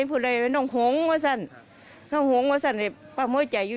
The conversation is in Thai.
อุ่ม